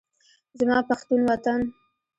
زما پښتون وطن